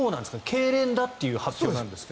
けいれんだという発表ですが。